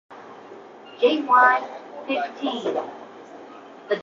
I've always been a modest and low-key type guy.